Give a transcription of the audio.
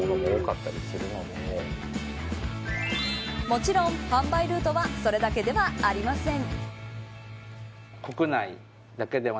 もちろん販売ルートはそれだけではありません。